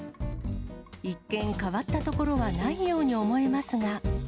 一見、変わったところがないように思えますが。